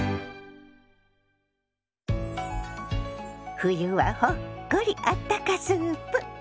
「冬はほっこりあったかスープ」。